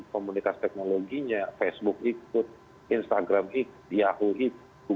komunitas teknologinya facebook ikut instagram ikut yahoo ikut